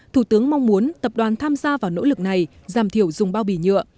thủ tướng mong muốn tập đoàn tham gia vào nỗ lực này giảm thiểu dùng bao bì nhựa